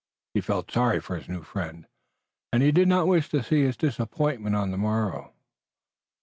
He felt sorry for his new friend, and he did not wish to see his disappointment on the morrow.